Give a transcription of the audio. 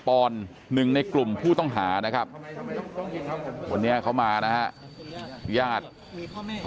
ปอนหนึ่งในกลุ่มผู้ต้องหานะครับตอนนี้เขามานะอยากขอ